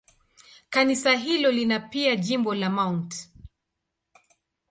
Kanisa hilo lina pia jimbo la Mt.